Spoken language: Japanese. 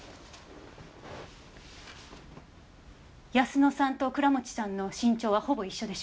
泰乃さんと倉持さんの身長はほぼ一緒でしょ。